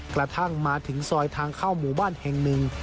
กระทั่งมาถึงซอยทางเข้าหมู่บ้านแห่งหนึ่ง